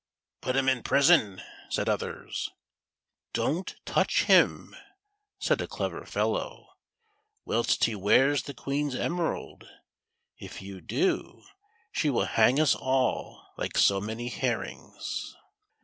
"Put him in prison," said others. " Don't touch him," said a clever fellow, " whilst he wears the Queen's emerald. If you do she will hang us all like so many herrings."